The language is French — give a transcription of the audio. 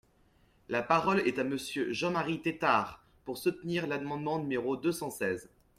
La parole est à Monsieur Jean-Marie Tétart, pour soutenir l’amendement numéro deux cent seize.